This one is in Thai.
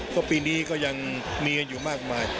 เพราะปีนี้ก็ยังมีกันอยู่มากมาย